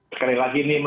seperti lagi ini